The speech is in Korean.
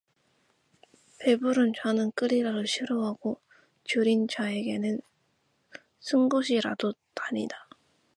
배부른 자는 꿀이라도 싫어하고 주린 자에게는 쓴 것이라도 다니라